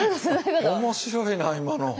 面白いな今の。